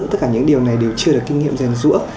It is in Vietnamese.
tất cả những điều này đều chưa được kinh nghiệm rèn rũa